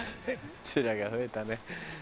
白髪増えたね。